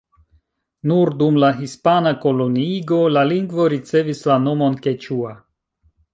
Nur dum la hispana koloniigo la lingvo ricevis la nomon keĉua.